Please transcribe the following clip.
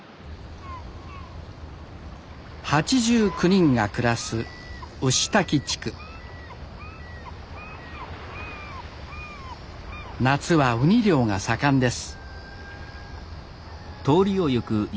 ８９人が暮らす牛滝地区夏はウニ漁が盛んです